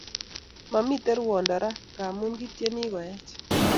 Mamiten rwando raa ngamun kityeni koeech